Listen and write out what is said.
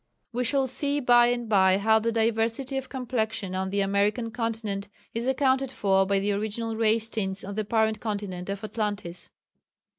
We shall see by and by how the diversity of complexion on the American continent is accounted for by the original race tints on the parent continent of Atlantis.